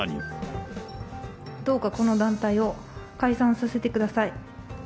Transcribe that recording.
どうか、この団体を解散させてください。